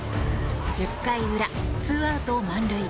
１０回裏、ツーアウト満塁。